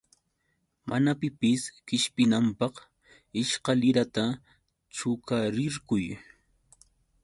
Mana pipis qishpinanpaq ishkalirata chuqarirquy.